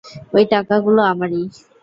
ঐ টাকাগুলো আমারই।